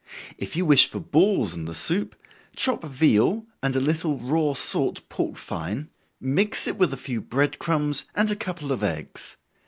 If you wish for balls in the soup, chop veal and a little raw salt pork fine, mix it with a few bread crumbs, and a couple of eggs.